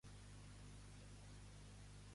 Què sol·licita el govern d'Espanya segons Mauri?